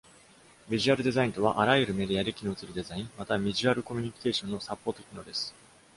ビジュアルデザインとは、あらゆるメディアで機能するデザイン、またはビジュアルコミュニケーションのサポート機能です。